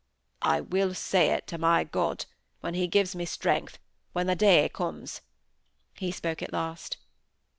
"I will say it to my God, when He gives me strength,—when the day comes," he spoke at last.